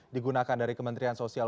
digunakan dari kementerian sosial